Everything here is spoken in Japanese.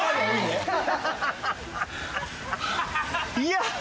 いや。